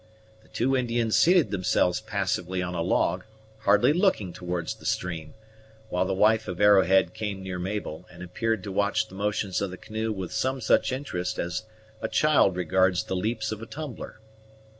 The two Indians seated themselves passively on a log, hardly looking towards the stream, while the wife of Arrowhead came near Mabel, and appeared to watch the motions of the canoe with some such interest as a child regards the leaps of a tumbler.